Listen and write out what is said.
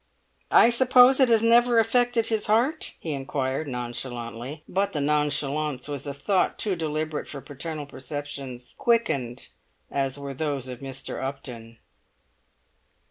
"I suppose it has never affected his heart?" he inquired nonchalantly; but the nonchalance was a thought too deliberate for paternal perceptions quickened as were those of Mr. Upton.